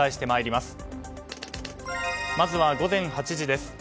まずは午前８時です。